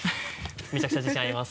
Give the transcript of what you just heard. めちゃくちゃ自信あります。